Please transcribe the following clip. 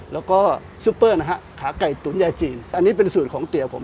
แล้วก็ซุปเปอร์นะฮะขาไก่ตุ๋นยาจีนอันนี้เป็นสูตรของเตี๋ยผม